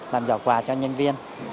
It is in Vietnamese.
làm giỏ quà cho nhân viên